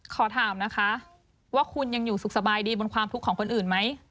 ขอถามนะคะว่าคุณยังอยู่สุขสบายดีบนความทุกข์ของคนอื่นไหม